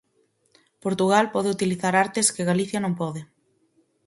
Portugal pode utilizar artes que Galicia non pode.